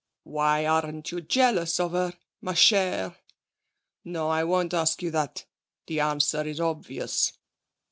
'Why aren't you jealous of her, ma chère? No, I won't ask you that the answer is obvious.'